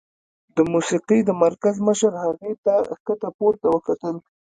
د موسيقۍ د مرکز مشر هغې ته ښکته پورته وکتل.